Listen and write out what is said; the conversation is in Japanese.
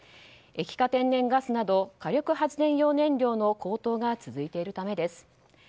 液化天然ガスなど火力発電燃料の高騰が続いているためです。